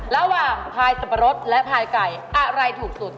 ระหว่างพลายสัปรดและพลายไก่อะไรถูกสุด